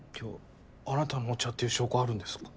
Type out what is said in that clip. じゃああなたのお茶っていう証拠はあるんですか？